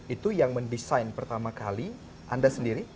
itu yang mendesain pertama kali anda sendiri